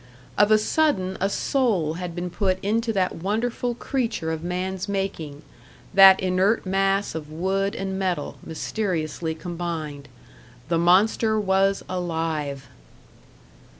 Of a sudden a soul had been put into that wonderful creature of man's making, that inert mass of wood and metal, mysteriously combined. The monster was alive!